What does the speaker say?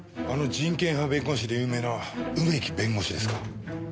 あの人権派弁護士で有名な梅木弁護士ですか？